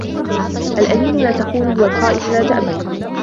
الأمين لا تخونه والخائن لا تأمنه.